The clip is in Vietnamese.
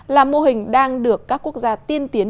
là mô hình đang được các quốc gia tiên tiến